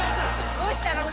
どうしたの？